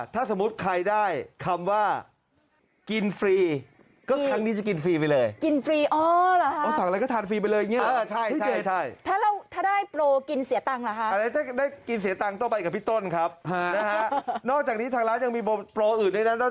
ถ้าสมมติใครได้คำว่ากินฟรีก็ทางนี้จะกินฟรีไปเลย